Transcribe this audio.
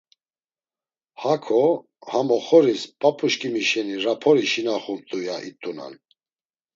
Hako, ham oxoris, p̌ap̌uşǩimi şeni rapori şinaxamt̆u, ya it̆unan.